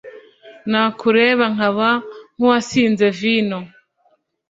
Nakureba nkaba nkuwasinze vino